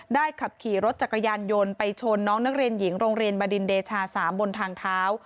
ขับขี่รถจักรยานยนต์ไปชนน้องนักเรียนหญิงโรงเรียนบดินเดชา๓บนทางเท้า